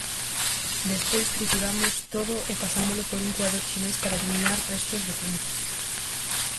Despois trituramos todo e pasámolo por un coador chinés para eliminar restos de cunchas.